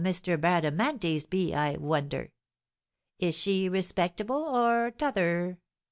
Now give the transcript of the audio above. Bradamanti's be, I wonder? Is she respectable, or t'other?